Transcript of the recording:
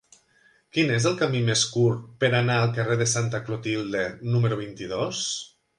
Quin és el camí més curt per anar al carrer de Santa Clotilde número vint-i-dos?